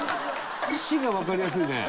「シ」がわかりやすいね。